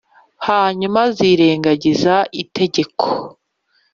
hanyuma, nzirengagiza itegeko,